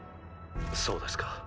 そうですか。